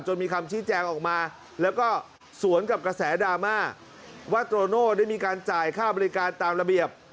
มีคำชี้แจงออกมาแล้วก็สวนกับกระแสดราม่าว่าโตโน่ได้มีการจ่ายค่าบริการตามระเบียบ